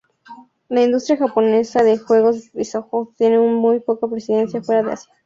La industria japonesa de juegos bishōjo tiene muy poca presencia fuera de Asia.